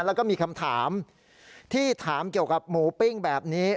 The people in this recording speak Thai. แล้วก็มีคำถามที่ถามเกี่ยวกับหมูปิ้งแบบนี้